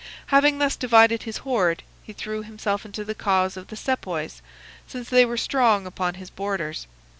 Having thus divided his hoard, he threw himself into the cause of the Sepoys, since they were strong upon his borders.